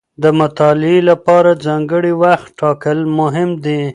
د مطالعې لپاره ځانګړی وخت ټاکل مهم دي.